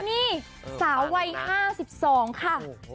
นี่สาววัย๕๒ค่ะ